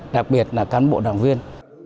đặc biệt là cán bộ đảng viên